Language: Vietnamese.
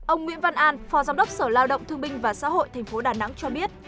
ông nguyễn văn an phó giám đốc sở lao động thương binh và xã hội tp đà nẵng cho biết